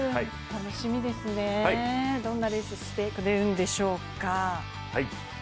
楽しみですね、どんなレースをしてくれるんでしょうか。